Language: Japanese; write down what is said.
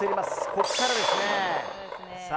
ここからですね。